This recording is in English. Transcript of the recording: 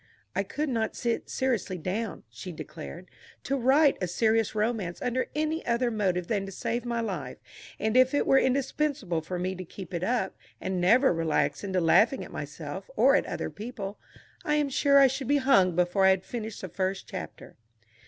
"I could not sit seriously down," she declared, "to write a serious romance under any other motive than to save my life; and, if it were indispensable for me to keep it up, and never relax into laughing at myself or at other people, I am sure I should be hung before I had finished the first chapter."